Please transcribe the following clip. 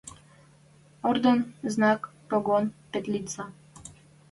Орден, знак, погон, петлица